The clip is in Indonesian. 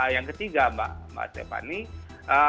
yang ketiga mbak stephanie